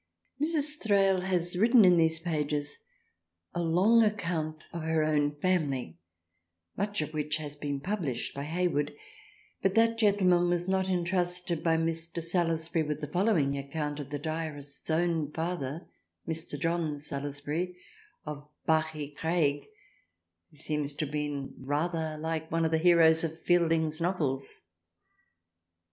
Mrs. Thrale has written in these pages a long account of her own family, much of which has been published by Hayward, but that gentleman was not entrusted by Mr. Salusbury with the following account of the diarists own father Mr. John Salusbury of Bachygraig, who seems to have been rather like one of the heroes of Fielding's Novels.